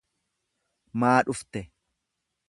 Maa dhufte?